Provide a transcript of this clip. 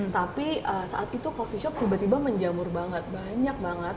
tapi saat itu coffee shop tiba tiba menjamur banget banyak banget